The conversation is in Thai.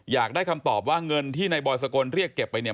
อยากได้คำตอบว่าเงินที่นายบอยสกลเรียกเก็บไปเนี่ย